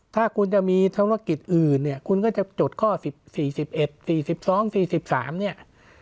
ถ้าคุณจะมีธุรกิจอื่นเนี่ยคุณก็จะจดข้อ๑๔๑๑๔๒๔๓เนี่ย